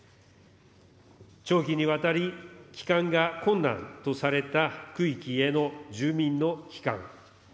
長期にわたり、帰還が困難とされた区域への住民の帰還。